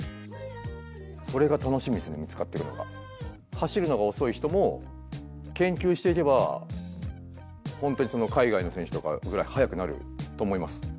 走るのが遅い人も研究していけば本当に海外の選手とかぐらい速くなると思います。